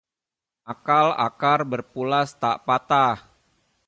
Akal akar berpulas tak patah